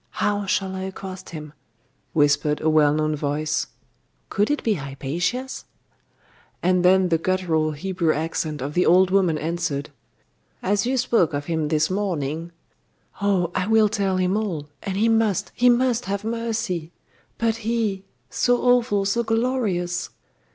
How shall I accost him?' whispered a well known voice could it be Hypatia's? And then the guttural Hebrew accent of the old woman answered 'As you spoke of him this morning ' 'Oh! I will tell him all, and he must he must have mercy! But he? so awful, so glorious!